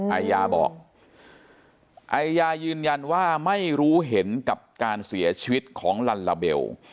อาญาบอกอายายืนยันว่าไม่รู้เห็นกับการเสียชีวิตของลัลลาเบล